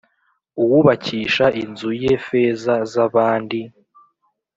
Uwubakisha inzu ye feza z’abandi,